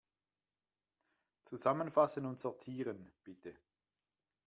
Zusammenfassen und sortieren, bitte.